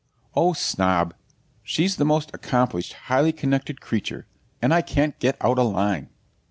'Oh, Snob! she's the most accomplished, highly connected creature! and I can't get out a line.'